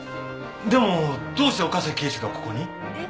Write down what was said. でもどうして岡崎警視がここに？えっ？